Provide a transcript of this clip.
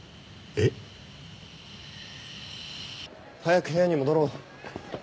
えっ？早く部屋に戻ろう。